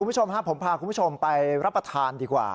คุณผู้ชมฮะผมพาคุณผู้ชมไปรับประทานดีกว่า